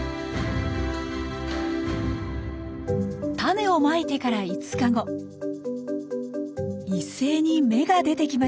タネをまいてから一斉に芽が出てきました。